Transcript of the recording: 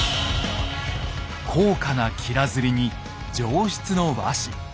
高価なきら摺りに上質の和紙。